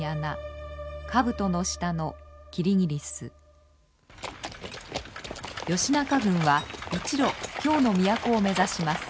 義仲軍は一路京の都を目指します。